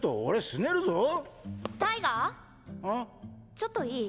ちょっといい？